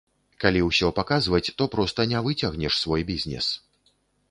Калі ўсё паказваць, то проста не выцягнеш свой бізнес.